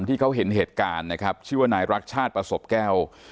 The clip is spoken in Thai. ที่เขาเห็นเหตุการณ์นะครับชื่อว่านายรักชาติประสบแก้ว